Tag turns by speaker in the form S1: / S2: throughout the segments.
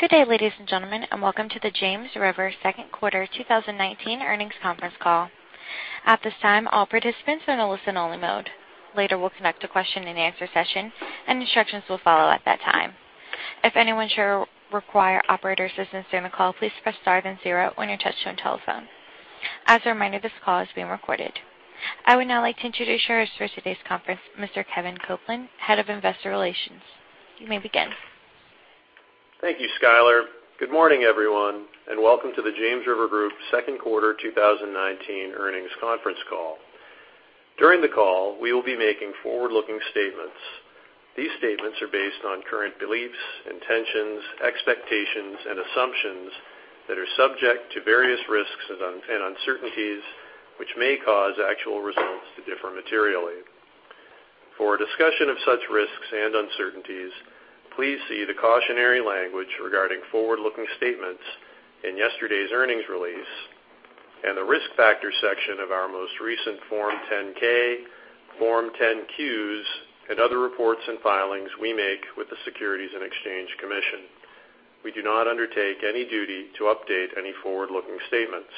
S1: Good day, ladies and gentlemen, and welcome to the James River second quarter 2019 earnings conference call. At this time, all participants are in a listen-only mode. Later, we'll conduct a question and answer session, and instructions will follow at that time. If anyone should require operator assistance during the call, please press star then zero on your touch-tone telephone. As a reminder, this call is being recorded. I would now like to introduce yours for today's conference, Mr. Kevin Copeland, head of investor relations. You may begin.
S2: Thank you, Skyler. Good morning, everyone, and welcome to the James River Group second quarter 2019 earnings conference call. During the call, we will be making forward-looking statements. These statements are based on current beliefs, intentions, expectations, and assumptions that are subject to various risks and uncertainties, which may cause actual results to differ materially. For a discussion of such risks and uncertainties, please see the cautionary language regarding forward-looking statements in yesterday's earnings release, and the risk factors section of our most recent Form 10-K, Form 10-Qs, and other reports and filings we make with the Securities and Exchange Commission. We do not undertake any duty to update any forward-looking statements.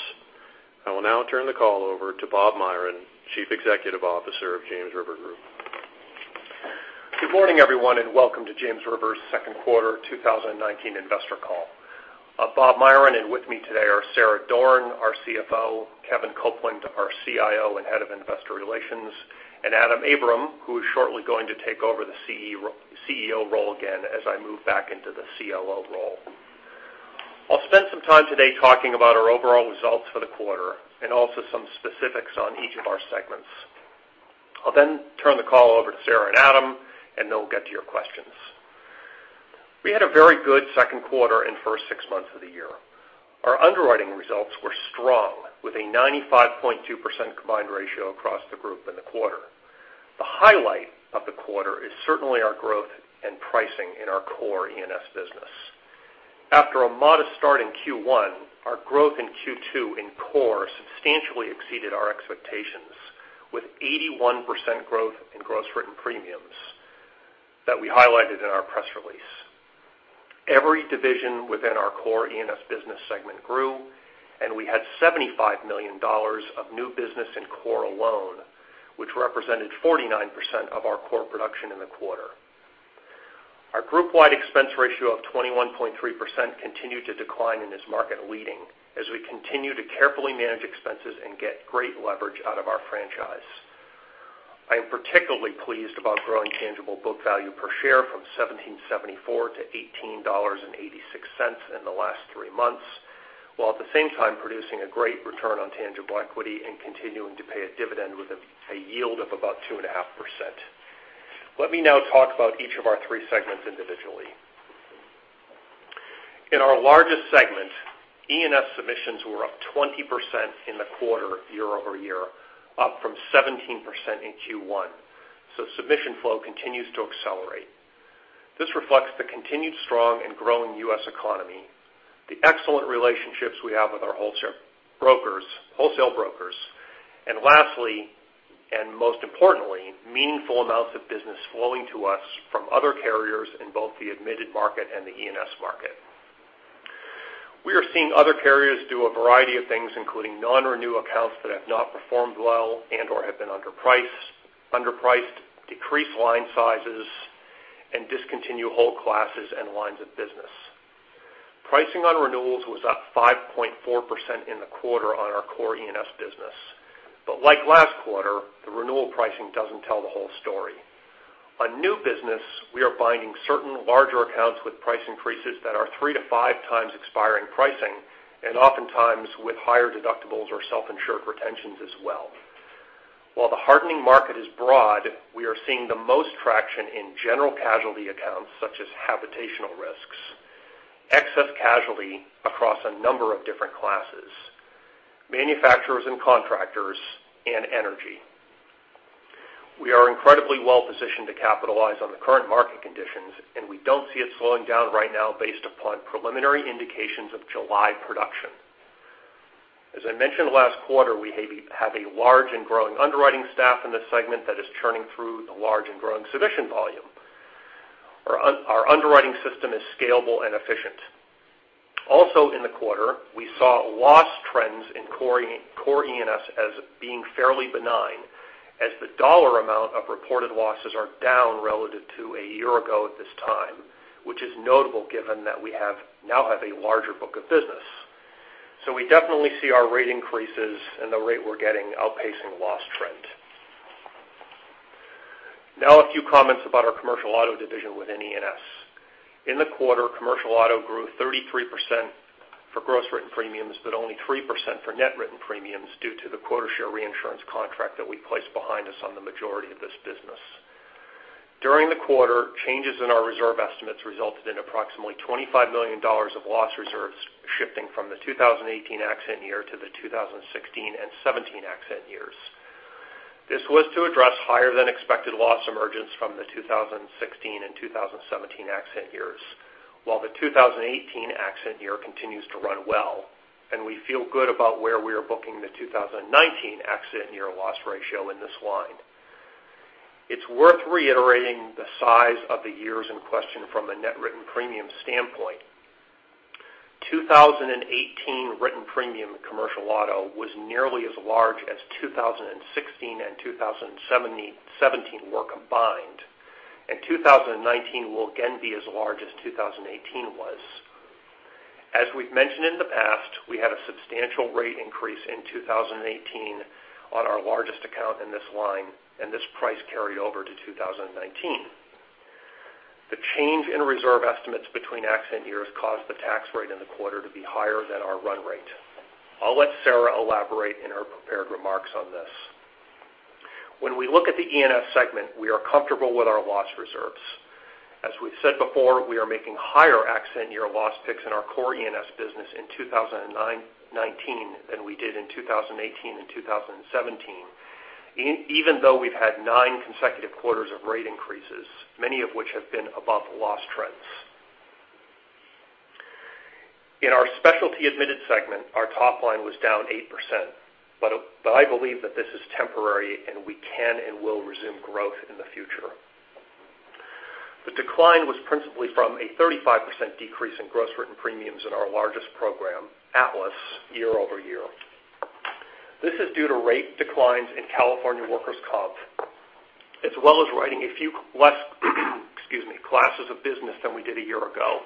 S2: I will now turn the call over to Bob Myron, Chief Executive Officer of James River Group.
S3: Good morning, everyone, and welcome to James River's second quarter 2019 investor call. I'm Bob Myron, and with me today are Sarah Doran, our CFO, Kevin Copeland, our CIO and head of investor relations, and Adam Abram, who is shortly going to take over the CEO role again, as I move back into the COO role. I'll spend some time today talking about our overall results for the quarter, and also some specifics on each of our segments. I'll then turn the call over to Sarah and Adam, and they'll get to your questions. We had a very good second quarter and first six months of the year. Our underwriting results were strong, with a 95.2% combined ratio across the group in the quarter. The highlight of the quarter is certainly our growth and pricing in our core E&S business. After a modest start in Q1, our growth in Q2 in core substantially exceeded our expectations, with 81% growth in gross written premiums that we highlighted in our press release. Every division within our core E&S business segment grew, and we had $75 million of new business in core alone, which represented 49% of our core production in the quarter. Our group-wide expense ratio of 21.3% continued to decline and is market-leading, as we continue to carefully manage expenses and get great leverage out of our franchise. I am particularly pleased about growing tangible book value per share from $17.74 to $18.86 in the last three months, while at the same time producing a great return on tangible equity and continuing to pay a dividend with a yield of about 2.5%. Let me now talk about each of our three segments individually. In our largest segment, E&S submissions were up 20% in the quarter year-over-year, up from 17% in Q1. Submission flow continues to accelerate. This reflects the continued strong and growing U.S. economy, the excellent relationships we have with our wholesale brokers, and lastly and most importantly, meaningful amounts of business flowing to us from other carriers in both the admitted market and the E&S market. We are seeing other carriers do a variety of things, including non-renew accounts that have not performed well and/or have been underpriced, decrease line sizes, and discontinue whole classes and lines of business. Pricing on renewals was up 5.4% in the quarter on our core E&S business. Like last quarter, the renewal pricing doesn't tell the whole story. On new business, we are finding certain larger accounts with price increases that are three to five times expiring pricing, and oftentimes with higher deductibles or self-insured retentions as well. While the hardening market is broad, we are seeing the most traction in general casualty accounts such as habitational risks, excess casualty across a number of different classes, manufacturers and contractors, and energy. We are incredibly well-positioned to capitalize on the current market conditions, and we don't see it slowing down right now based upon preliminary indications of July production. As I mentioned last quarter, we have a large and growing underwriting staff in this segment that is churning through the large and growing submission volume. Our underwriting system is scalable and efficient. Also in the quarter, we saw loss trends in core E&S as being fairly benign, as the dollar amount of reported losses are down relative to a year ago at this time, which is notable given that we now have a larger book of business. We definitely see our rate increases and the rate we're getting outpacing loss trend. Now a few comments about our commercial auto division within E&S. In the quarter, commercial auto grew 33% for gross written premiums, but only 3% for net written premiums due to the quota share reinsurance contract that we placed behind us on the majority of this business. During the quarter, changes in our reserve estimates resulted in approximately $25 million of loss reserves shifting from the 2018 accident year to the 2016 and 2017 accident years. This was to address higher-than-expected loss emergence from the 2016 and 2017 accident years, while the 2018 accident year continues to run well, and we feel good about where we are booking the 2019 accident year loss ratio in this line. It's worth reiterating the size of the years in question from a net written premium standpoint. 2018 written premium commercial auto was nearly as large as 2016 and 2017 were combined, and 2019 will again be as large as 2018 was. As we've mentioned in the past, we had a substantial rate increase in 2018 on our largest account in this line, and this price carried over to 2019. The change in reserve estimates between accident years caused the tax rate in the quarter to be higher than our run rate. I'll let Sarah elaborate in her prepared remarks on this. When we look at the E&S segment, we are comfortable with our loss reserves. As we've said before, we are making higher accident year loss picks in our core E&S business in 2019 than we did in 2018 and 2017, even though we've had nine consecutive quarters of rate increases, many of which have been above the loss trends. In our Specialty Admitted Insurance segment, our top line was down 8%, but I believe that this is temporary, and we can and will resume growth in the future. The decline was principally from a 35% decrease in gross written premiums in our largest program, Atlas, year-over-year. This is due to rate declines in California workers' comp, as well as writing a few less, excuse me, classes of business than we did a year ago,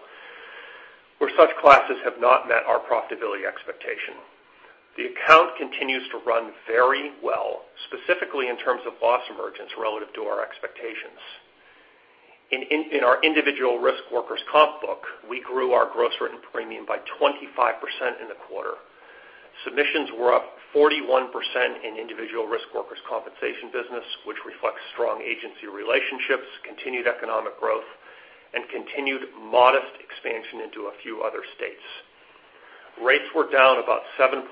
S3: where such classes have not met our profitability expectation. The account continues to run very well, specifically in terms of loss emergence relative to our expectations. In our individual risk workers' comp book, we grew our gross written premium by 25% in the quarter. Submissions were up 41% in individual risk workers' compensation business, which reflects strong agency relationships, continued economic growth, and continued modest expansion into a few other states. Rates were down about 7.8%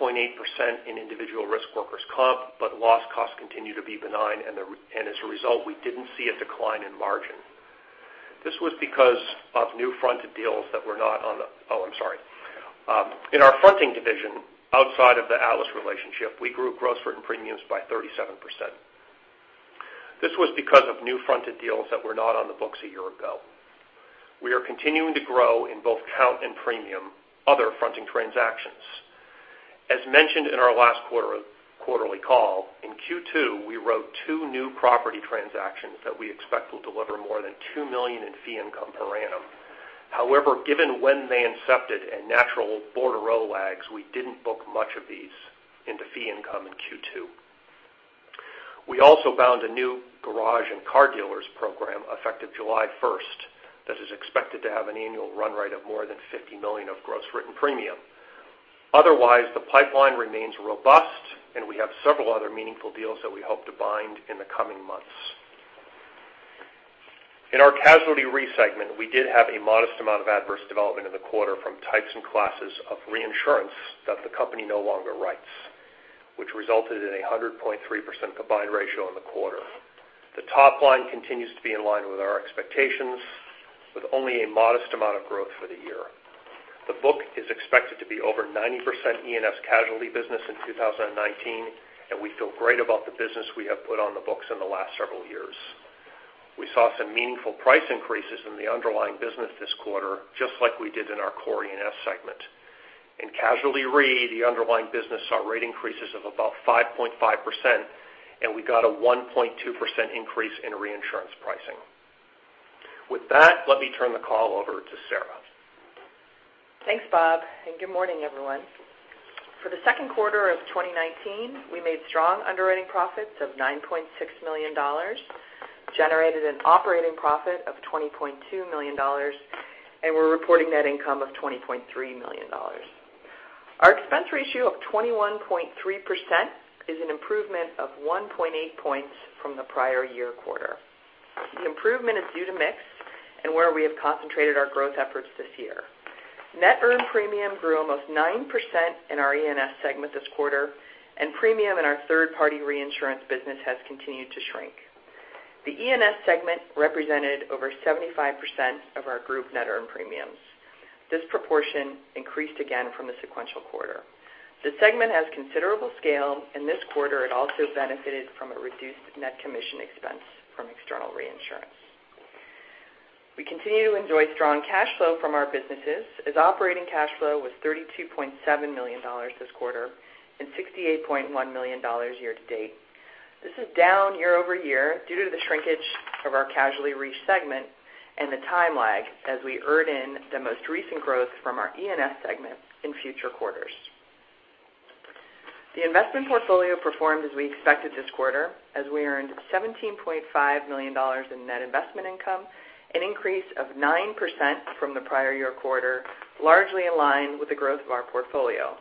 S3: in individual risk workers' comp, but loss costs continue to be benign, and as a result, we didn't see a decline in margin. In our fronting division, outside of the Atlas relationship, we grew gross written premiums by 37%. This was because of new fronted deals that were not on the books a year ago. We are continuing to grow in both count and premium other fronting transactions. As mentioned in our last quarterly call, in Q2, we wrote two new property transactions that we expect will deliver more than $2 million in fee income per annum. However, given when they incepted and natural bordereau lags, we didn't book much of these into fee income in Q2. We also bound a new garage and car dealers program effective July 1st that is expected to have an annual run rate of more than $50 million of gross written premium. Otherwise, the pipeline remains robust, and we have several other meaningful deals that we hope to bind in the coming months. In our casualty re segment, we did have a modest amount of adverse development in the quarter from types and classes of reinsurance that the company no longer writes, which resulted in a 100.3% combined ratio in the quarter. The top line continues to be in line with our expectations, with only a modest amount of growth for the year. The book is expected to be over 90% E&S casualty business in 2019, and we feel great about the business we have put on the books in the last several years. We saw some meaningful price increases in the underlying business this quarter, just like we did in our core E&S segment. In casualty re, the underlying business saw rate increases of about 5.5%, and we got a 1.2% increase in reinsurance pricing. With that, let me turn the call over to Sarah.
S4: Thanks, Bob, and good morning, everyone. For the second quarter of 2019, we made strong underwriting profits of $9.6 million, generated an operating profit of $20.2 million, and we're reporting net income of $20.3 million. Our expense ratio of 21.3% is an improvement of 1.8 points from the prior year quarter. The improvement is due to mix and where we have concentrated our growth efforts this year. Net earned premium grew almost 9% in our E&S segment this quarter, and premium in our third-party reinsurance business has continued to shrink. The E&S segment represented over 75% of our group net earned premiums. This proportion increased again from the sequential quarter. The segment has considerable scale, and this quarter, it also benefited from a reduced net commission expense from external reinsurance. We continue to enjoy strong cash flow from our businesses, as operating cash flow was $32.7 million this quarter and $68.1 million year-to-date. This is down year-over-year due to the shrinkage of our Casualty Re segment and the time lag as we earn in the most recent growth from our E&S segment in future quarters. The investment portfolio performed as we expected this quarter, as we earned $17.5 million in net investment income, an increase of 9% from the prior year quarter, largely in line with the growth of our portfolio.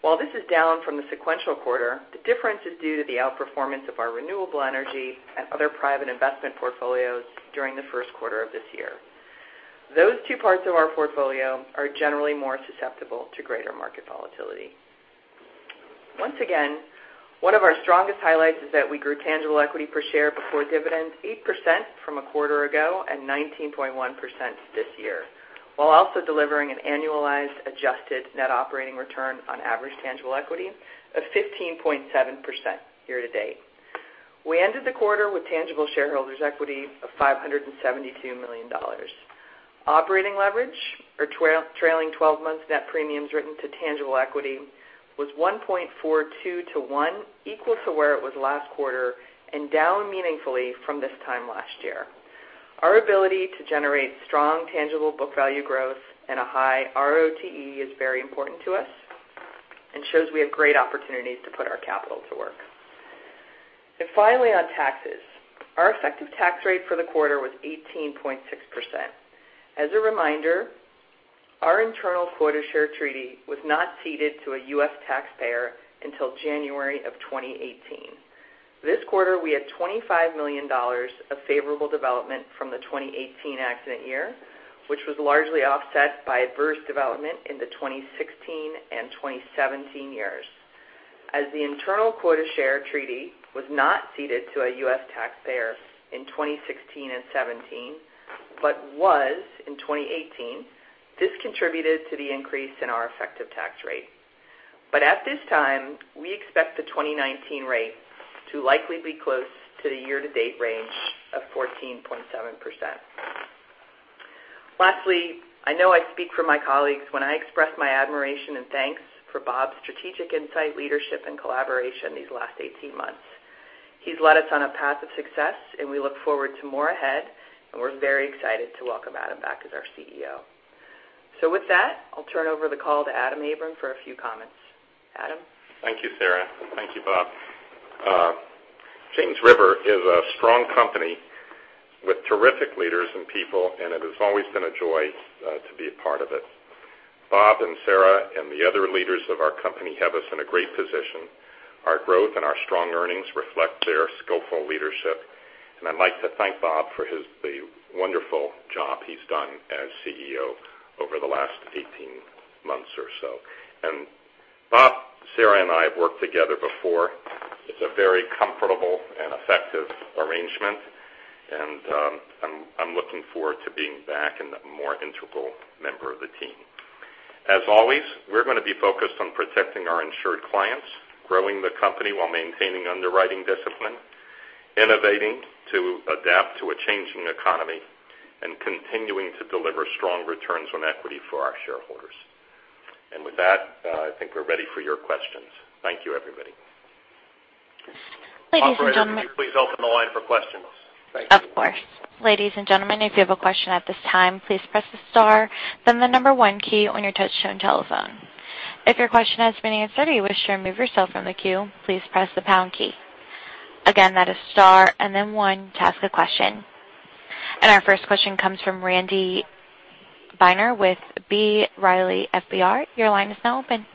S4: While this is down from the sequential quarter, the difference is due to the outperformance of our renewable energy and other private investment portfolios during the first quarter of this year. Those two parts of our portfolio are generally more susceptible to greater market volatility. Once again, one of our strongest highlights is that we grew tangible equity per share before dividends 8% from a quarter ago and 19.1% this year. While also delivering an annualized adjusted net operating return on average tangible equity of 15.7% year-to-date. We ended the quarter with tangible shareholders' equity of $572 million. Operating leverage or trailing 12 months net premiums written to tangible equity was 1.42 to one, equal to where it was last quarter and down meaningfully from this time last year. Finally, on taxes. Our effective tax rate for the quarter was 18.6%. As a reminder, our internal quota share treaty was not ceded to a U.S. taxpayer until January of 2018. This quarter, we had $25 million of favorable development from the 2018 accident year, which was largely offset by adverse development in the 2016 and 2017 years. As the internal quota share treaty was not ceded to a U.S. taxpayer in 2016 and 2017, but was in 2018, this contributed to the increase in our effective tax rate. At this time, we expect the 2019 rate to likely be close to the year-to-date range of 14.7%. Lastly, I know I speak for my colleagues when I express my admiration and thanks for Bob's strategic insight, leadership, and collaboration these last 18 months. He's led us on a path of success, and we look forward to more ahead, and we're very excited to welcome Adam back as our CEO. With that, I'll turn over the call to Adam Abram for a few comments. Adam?
S5: Thank you, Sarah, and thank you, Bob. James River is a strong company with terrific leaders and people, it has always been a joy to be a part of it. Bob and Sarah and the other leaders of our company have us in a great position. Our growth and our strong earnings reflect their skillful leadership. I'd like to thank Bob for the wonderful job he's done as CEO over the last 18 months or so. Bob, Sarah, and I have worked together before. It's a very comfortable and effective arrangement, and I'm looking forward to being back and a more integral member of the team. As always, we're going to be focused on protecting our insured clients, growing the company while maintaining underwriting discipline, innovating to adapt to a changing economy, and continuing to deliver strong returns on equity for our shareholders. With that, I think we're ready for your questions. Thank you, everybody.
S1: Ladies and gentlemen.
S5: Operator, can you please open the line for questions? Thank you.
S1: Ladies and gentlemen, if you have a question at this time, please press the star, then the number one key on your touch-tone telephone. If your question has been answered or you wish to remove yourself from the queue, please press the pound key. Again, that is star and then one to ask a question. Our first question comes from Randy Binner with B. Riley FBR. Your line is now open.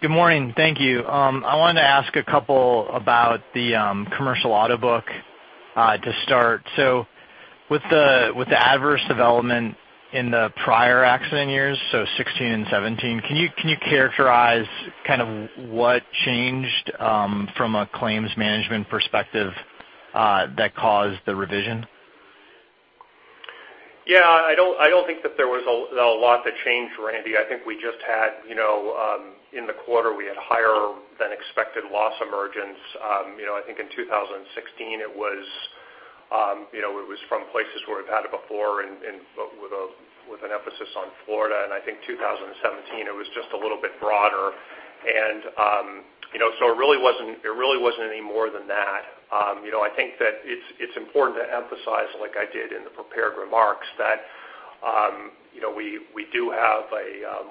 S6: Good morning. Thank you. I wanted to ask a couple about the commercial auto book to start. With the adverse development in the prior accident years, 2016 and 2017, can you characterize what changed from a claims management perspective that caused the revision?
S3: Yeah, I don't think that there was a lot that changed, Randy. I think we just had in the quarter we had higher than expected loss emergence. I think in 2016 it was from places where we've had it before and with an emphasis on Florida, and I think 2017 it was just a little bit broader. It really wasn't any more than that. I think that it's important to emphasize, like I did in the prepared remarks, that we do have a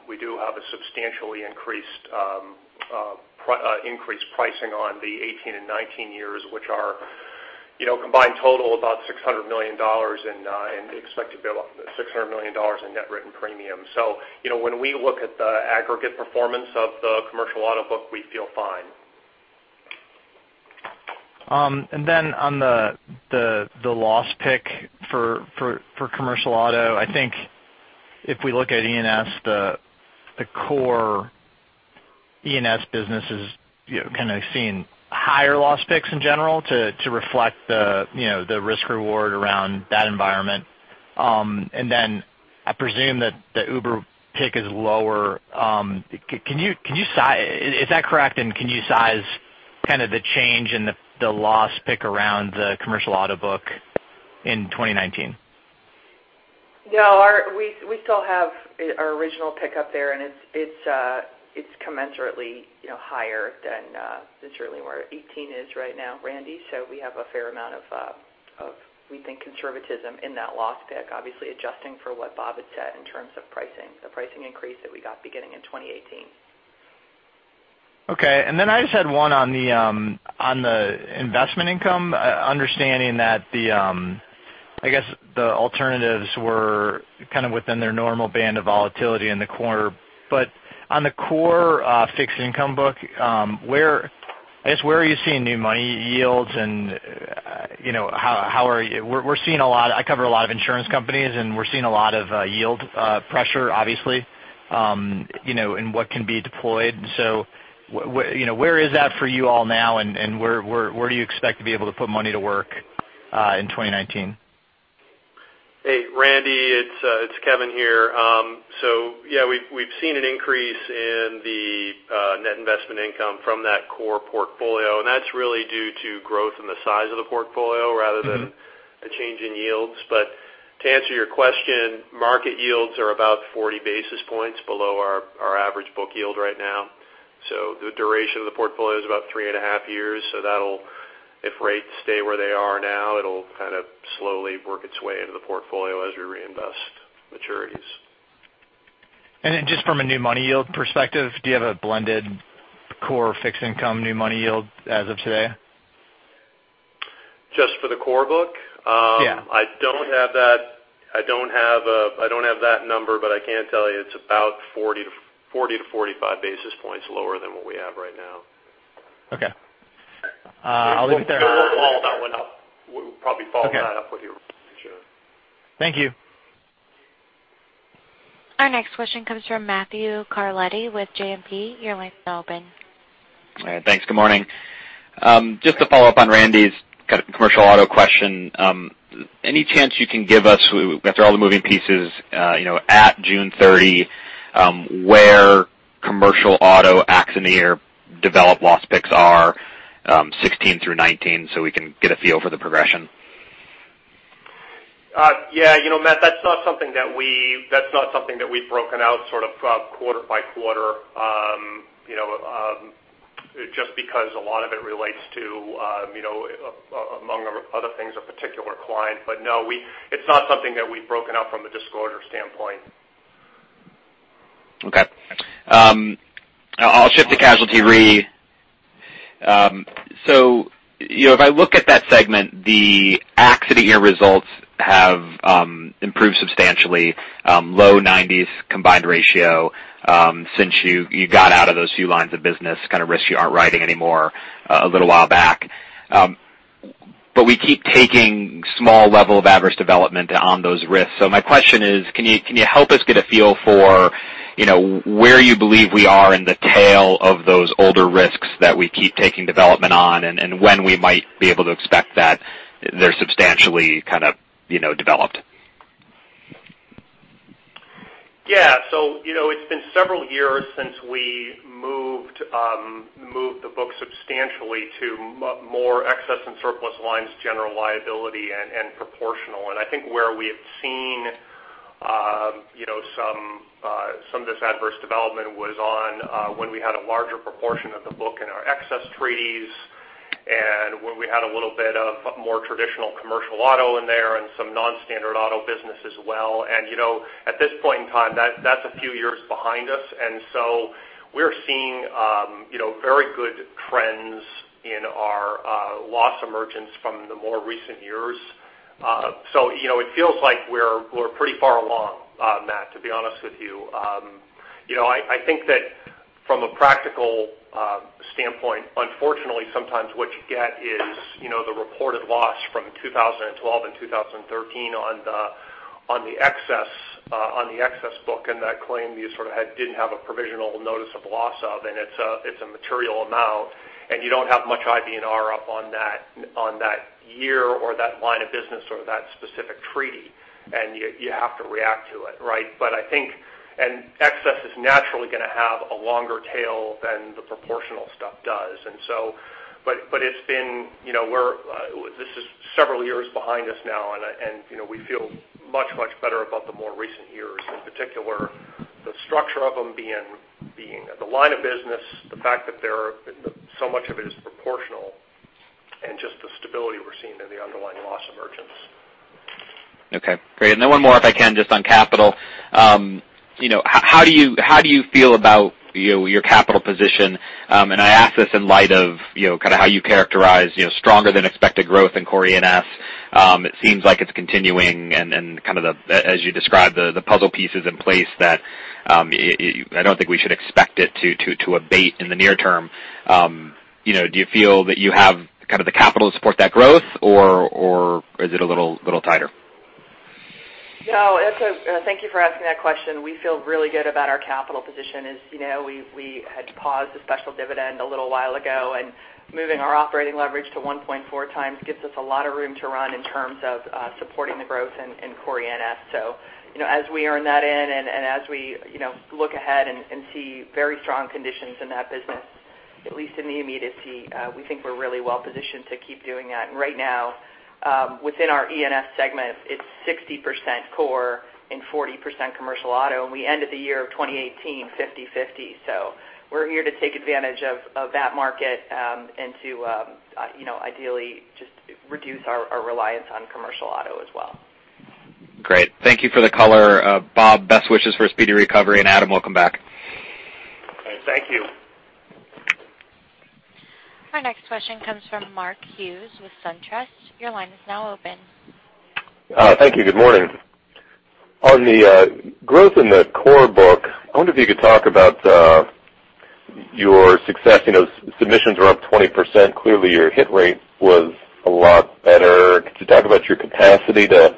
S3: substantially increased pricing on the 2018 and 2019 years, which are combined total about $600 million in net written premium. When we look at the aggregate performance of the commercial auto book, we feel fine.
S6: On the loss pick for commercial auto, I think if we look at E&S, the core E&S business is kind of seeing higher loss picks in general to reflect the risk reward around that environment. I presume that the Uber pick is lower. Is that correct, and can you size the change in the loss pick around the commercial auto book in 2019?
S4: No, we still have our original pick up there. It's commensurately higher than certainly where 2018 is right now, Randy. We have a fair amount of, we think, conservatism in that loss pick, obviously adjusting for what Bob had said in terms of pricing, the pricing increase that we got beginning in 2018.
S6: I just had one on the investment income, understanding that the alternatives were within their normal band of volatility in the quarter. On the core fixed income book, where are you seeing new money yields? I cover a lot of insurance companies, and we're seeing a lot of yield pressure, obviously and what can be deployed. Where is that for you all now, and where do you expect to be able to put money to work, in 2019?
S2: Hey, Randy, it's Kevin here. Yeah, we've seen an increase in the net investment income from that core portfolio, and that's really due to growth in the size of the portfolio rather than- A change in yields. To answer your question, market yields are about 40 basis points below our average book yield right now. The duration of the portfolio is about three and a half years, so if rates stay where they are now, it'll slowly work its way into the portfolio as we reinvest maturities.
S6: Just from a new money yield perspective, do you have a blended core fixed income, new money yield as of today?
S2: Just for the core book?
S6: Yeah.
S2: I don't have that number, but I can tell you it's about 40 to 45 basis points lower than what we have right now.
S6: Okay. I'll leave it there.
S2: We'll follow that one up. We'll probably follow that up with you, sure.
S6: Thank you.
S1: Our next question comes from Matthew Carletti with JMP. Your line's now open.
S7: All right, thanks. Good morning. Just to follow up on Randy's commercial auto question, any chance you can give us after all the moving pieces, at June 30, where commercial auto actuals in the year developed loss picks are, 2016 through 2019, so we can get a feel for the progression?
S2: Yeah, Matt, that's not something that we've broken out quarter by quarter, just because a lot of it relates to, among other things, a particular client. No, it's not something that we've broken out from a disclosure standpoint.
S7: Okay. I'll shift to Casualty RE. If I look at that segment, the accident year results have improved substantially, low 90s combined ratio, since you got out of those few lines of business, kind of risks you aren't writing anymore, a little while back. We keep taking small level of adverse development on those risks. My question is, can you help us get a feel for where you believe we are in the tail of those older risks that we keep taking development on, and when we might be able to expect that they're substantially developed?
S3: Yeah. It's been several years since we moved the book substantially to more Excess and Surplus Lines general liability and proportional. I think where we have seen some of this adverse development was on when we had a larger proportion of the book in our excess treaties, and when we had a little bit of more traditional commercial auto in there and some non-standard auto business as well. At this point in time, that's a few years behind us. We're seeing very good trends in our loss emergence from the more recent years. It feels like we're pretty far along, Matt, to be honest with you. I think that from a practical standpoint, unfortunately, sometimes what you get is the reported loss from 2012 and 2013 on the excess book and that claim you sort of didn't have a provisional notice of loss of, and it's a material amount, and you don't have much IBNR up on that year or that line of business or that specific treaty, and you have to react to it, right? Excess is naturally going to have a longer tail than the proportional stuff does. This is several years behind us now, and we feel much, much better about the more recent years in particular, the structure of them being the line of business, the fact that so much of it is proportional, and just the stability we're seeing in the underlying loss emergence.
S7: Okay, great. One more, if I can, just on capital. How do you feel about your capital position? I ask this in light of how you characterize stronger than expected growth in core E&S. It seems like it's continuing and kind of the, as you described, the puzzle pieces in place that I don't think we should expect it to abate in the near term. Do you feel that you have the capital to support that growth, or is it a little tighter?
S4: No. Thank you for asking that question. We feel really good about our capital position. As you know, we had to pause the special dividend a little while ago, moving our operating leverage to 1.4 times gives us a lot of room to run in terms of supporting the growth in core E&S. As we earn that in and as we look ahead and see very strong conditions in that business, at least in the immediacy, we think we're really well-positioned to keep doing that. Right now within our E&S segment, it's 60% core and 40% commercial auto, and we ended the year of 2018, 50/50. We're here to take advantage of that market, and to ideally just reduce our reliance on commercial auto as well.
S7: Great. Thank you for the color. Bob, best wishes for a speedy recovery. Adam, welcome back.
S3: All right. Thank you.
S1: Our next question comes from Mark Hughes with SunTrust. Your line is now open.
S8: Thank you. Good morning. On the growth in the core book, I wonder if you could talk about Your success, submissions are up 20%. Clearly, your hit rate was a lot better. Could you talk about your capacity to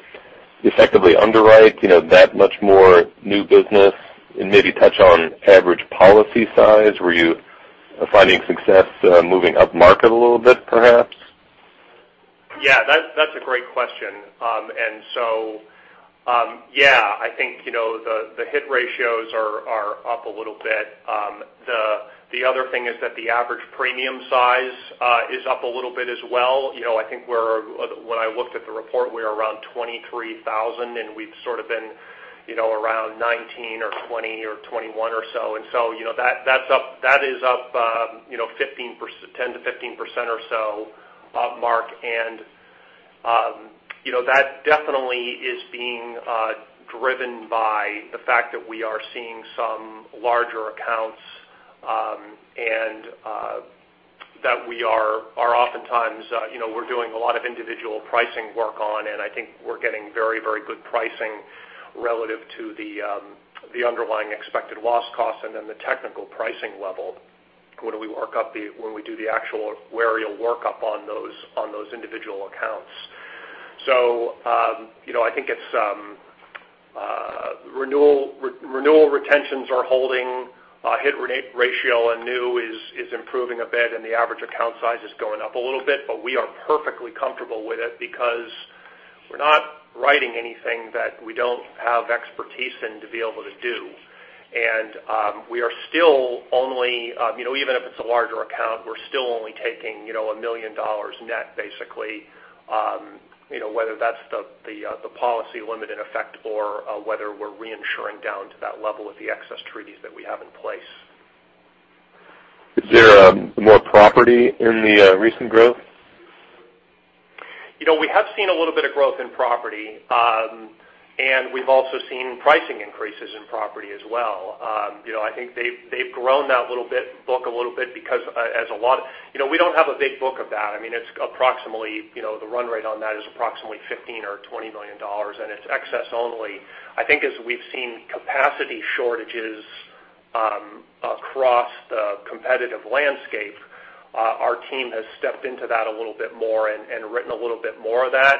S8: effectively underwrite that much more new business, and maybe touch on average policy size? Were you finding success moving upmarket a little bit, perhaps?
S3: Yeah, that's a great question. Yeah, I think, the hit ratios are up a little bit. The other thing is that the average premium size is up a little bit as well. I think when I looked at the report, we were around 23,000, and we've sort of been around 19 or 20 or 21 or so. That is up 10%-15% or so upmarket. That definitely is being driven by the fact that we are seeing some larger accounts, and that we are oftentimes doing a lot of individual pricing work on, and I think we're getting very good pricing relative to the underlying expected loss cost and then the technical pricing level when we do the actual actuarial workup on those individual accounts. I think it's renewal retentions are holding, hit ratio on new is improving a bit, and the average account size is going up a little bit. We are perfectly comfortable with it because we're not writing anything that we don't have expertise in to be able to do. We are still only, even if it's a larger account, we're still only taking $1 million net, basically, whether that's the policy limit in effect or whether we're reinsuring down to that level with the excess treaties that we have in place.
S8: Is there more property in the recent growth?
S3: We have seen a little bit of growth in property. We've also seen pricing increases in property as well. I think they've grown that little bit book a little bit because we don't have a big book of that. The run rate on that is approximately $15 million or $20 million, and it's excess only. As we've seen capacity shortages across the competitive landscape, our team has stepped into that a little bit more and written a little bit more of that.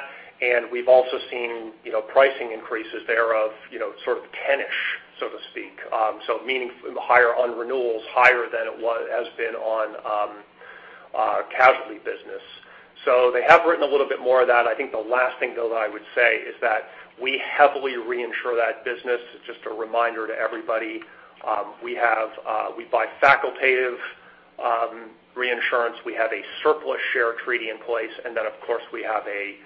S3: We've also seen pricing increases thereof, sort of 10-ish, so to speak. Meaning higher on renewals, higher than it has been on casualty business. They have written a little bit more of that. The last thing, though, that I would say is that we heavily reinsure that business. Just a reminder to everybody. We buy facultative reinsurance. We have a surplus share treaty in place. Then, of course, we have a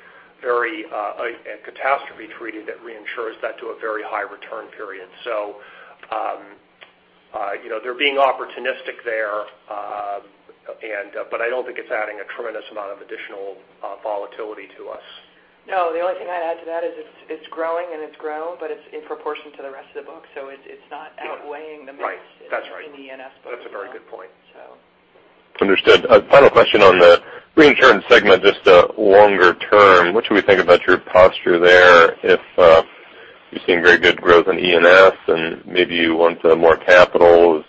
S3: catastrophe treaty that reinsures that to a very high return period. They're being opportunistic there. I don't think it's adding a tremendous amount of additional volatility to us.
S4: The only thing I'd add to that is it's growing and it's grown, but it's in proportion to the rest of the book. It's not outweighing the mix-
S3: Right. That's right
S4: in E&S.
S3: That's a very good point.
S4: So.
S8: Understood. A final question on the reinsurance segment, just longer term. What should we think about your posture there if you're seeing very good growth in E&S and maybe you want more capital?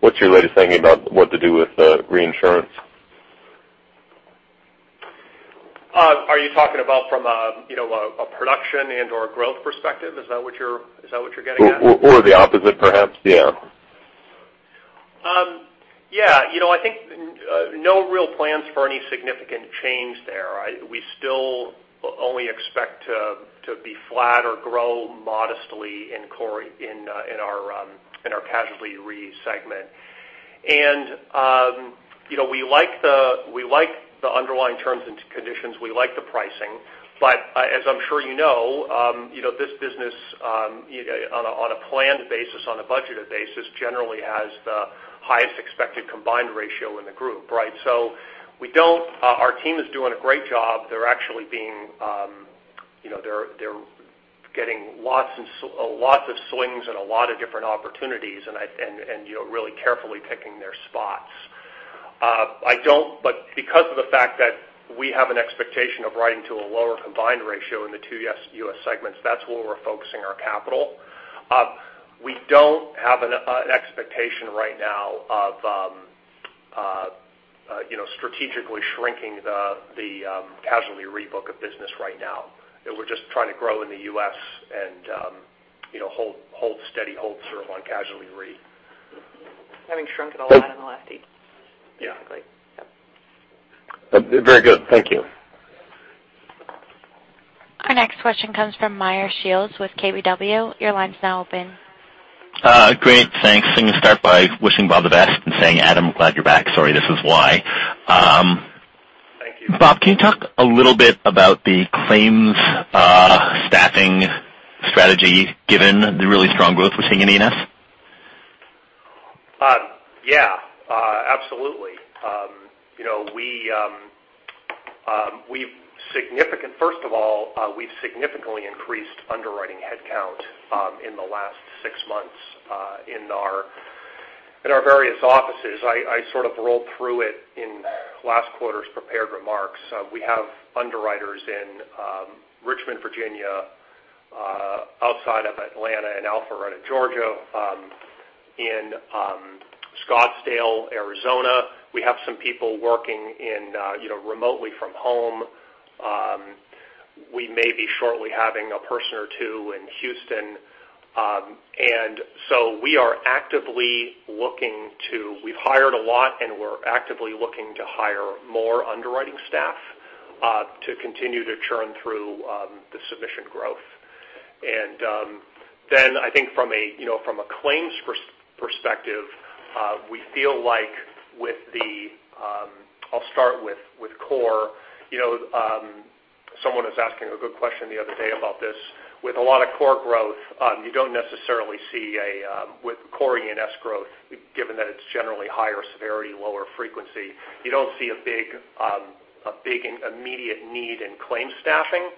S8: What's your latest thinking about what to do with reinsurance?
S3: Are you talking about from a production and/or growth perspective? Is that what you're getting at?
S8: The opposite, perhaps. Yeah.
S3: Yeah. I think no real plans for any significant change there. We still only expect to be flat or grow modestly in our Casualty Reinsurance segment. We like the underlying terms and conditions. We like the pricing. As I'm sure you know this business on a planned basis, on a budgeted basis, generally has the highest expected combined ratio in the group, right? Our team is doing a great job. They're getting lots of swings and a lot of different opportunities and really carefully picking their spots. Because of the fact that we have an expectation of writing to a lower combined ratio in the two U.S. segments, that's where we're focusing our capital. We don't have an expectation right now of strategically shrinking the Casualty Reinsurance book of business right now. We're just trying to grow in the U.S. and hold steady, hold serve on Casualty Reinsurance.
S4: Having shrunk it a lot in the last 18 months.
S3: Yeah.
S4: Exactly. Yep.
S8: Very good. Thank you.
S1: Our next question comes from Meyer Shields with KBW. Your line's now open.
S9: Great. Thanks. Let me start by wishing Bob the best and saying, Adam, glad you're back. Sorry, this is why. Bob, can you talk a little bit about the claims staffing strategy given the really strong growth we're seeing in E&S?
S3: Yeah. Absolutely. First of all, we've significantly increased underwriting headcount in the last six months in our various offices. I sort of rolled through it in last quarter's prepared remarks. We have underwriters in Richmond, Virginia, outside of Atlanta in Alpharetta, Georgia, in Scottsdale, Arizona. We have some people working remotely from home. We may be shortly having a person or two in Houston. We've hired a lot, and we're actively looking to hire more underwriting staff to continue to churn through the submission growth. I think from a claims perspective, I'll start with core. Someone was asking a good question the other day about this. With a lot of core growth, you don't necessarily see with core E&S growth, given that it's generally higher severity, lower frequency. You don't see a big, immediate need in claims staffing.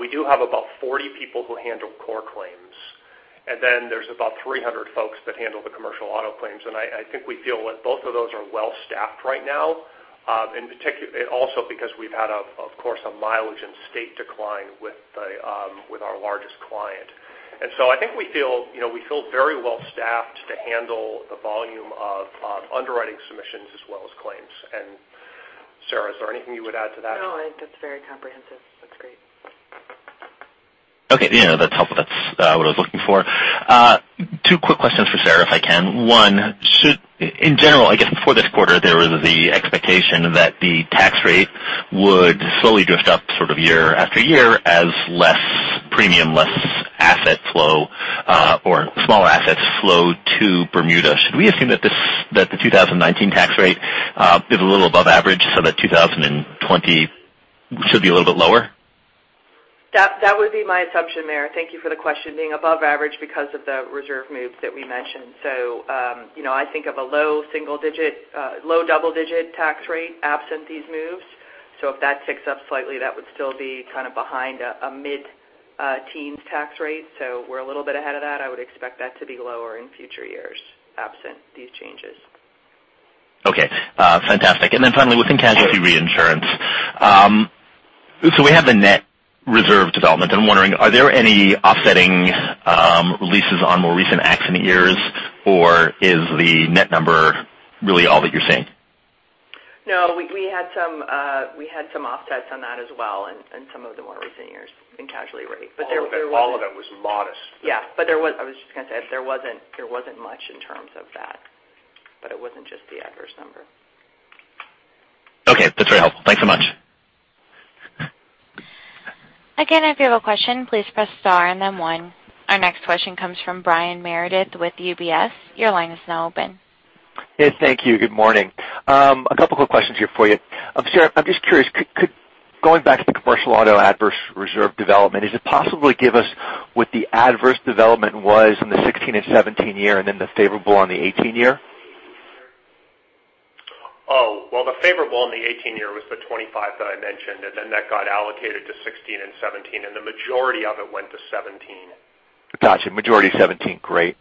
S3: We do have about 40 people who handle core claims. There's about 300 folks that handle the commercial auto claims. I think we feel that both of those are well-staffed right now. Also because we've had, of course, a mileage and state decline with our largest client. I think we feel very well-staffed to handle the volume of underwriting submissions as well as claims. Sarah, is there anything you would add to that?
S4: No, that's very comprehensive. That's great.
S9: Okay. Yeah, that's helpful. That's what I was looking for. Two quick questions for Sarah, if I can. One, in general, I guess before this quarter, there was the expectation that the tax rate would slowly drift up sort of year after year as less premium, less asset flow or smaller assets flow to Bermuda. Should we assume that the 2019 tax rate is a little above average so that 2020 should be a little bit lower?
S4: That would be my assumption there. Thank you for the question. Being above average because of the reserve moves that we mentioned. I think of a low double-digit tax rate absent these moves. If that ticks up slightly, that would still be kind of behind a mid-teens tax rate. We're a little bit ahead of that. I would expect that to be lower in future years, absent these changes.
S9: Okay. Fantastic. Then finally, within Casualty Reinsurance. We have the net reserve development, and I'm wondering, are there any offsetting losses on more recent accident years, or is the net number really all that you're seeing?
S4: No, we had some offsets on that as well, and some of them were recent years in Casualty Re. There wasn't
S3: All of it was modest.
S4: Yeah. I was just going to say, there wasn't much in terms of that, but it wasn't just the adverse number.
S9: Okay, that's very helpful. Thanks so much.
S1: Again, if you have a question, please press star and then one. Our next question comes from Brian Meredith with UBS. Your line is now open.
S10: Yes, thank you. Good morning. A couple quick questions here for you. Sarah, I'm just curious. Going back to the commercial auto adverse reserve development, is it possible to give us what the adverse development was in the 2016 and 2017 year, and then the favorable on the 2018 year?
S3: Oh, well, the favorable in the 2018 year was the $25 that I mentioned, then that got allocated to 2016 and 2017, and the majority of it went to 2017.
S10: Got you. Majority 2017. Great.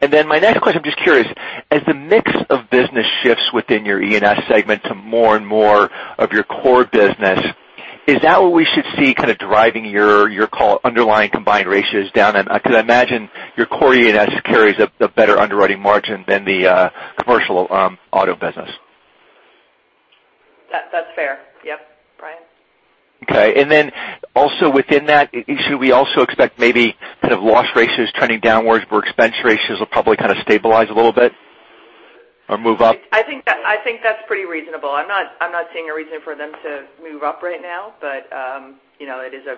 S10: My next question, I'm just curious, as the mix of business shifts within your E&S segment to more and more of your core business, is that what we should see kind of driving your underlying combined ratios down? Because I imagine your core E&S carries a better underwriting margin than the commercial auto business.
S4: That's fair. Yep, Brian.
S10: Okay. Also within that, should we also expect maybe kind of loss ratios trending downwards where expense ratios will probably kind of stabilize a little bit or move up?
S4: I think that's pretty reasonable. I'm not seeing a reason for them to move up right now.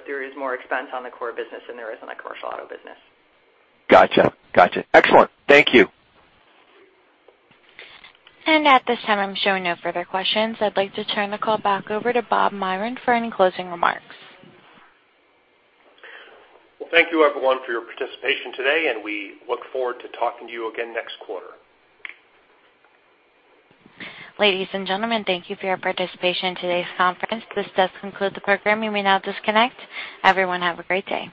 S4: There is more expense on the core business than there is on the commercial auto business.
S10: Got you. Excellent. Thank you.
S1: At this time, I'm showing no further questions. I'd like to turn the call back over to Bob Myron for any closing remarks.
S3: Well, thank you, everyone, for your participation today, and we look forward to talking to you again next quarter.
S1: Ladies and gentlemen, thank you for your participation in today's conference. This does conclude the program. You may now disconnect. Everyone, have a great day.